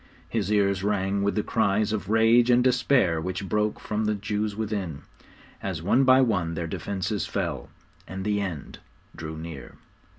His ears rang with the cries of rage and despair which broke from the Jews within, as one by one their defences fell, and the end drew near!